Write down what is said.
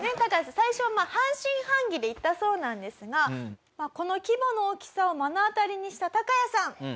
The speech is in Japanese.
最初はまあ半信半疑で行ったそうなんですがこの規模の大きさを目の当たりにしたタカヤさん。